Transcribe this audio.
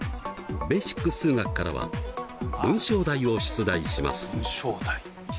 「ベーシック数学」からは文章題を出題します。